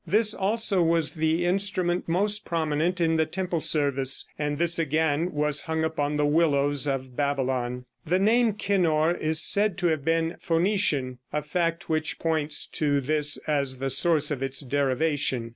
This also was the instrument most prominent in the temple service, and this again was hung upon the willows of Babylon. The name kinnor is said to have been Phoenician, a fact which points to this as the source of its derivation.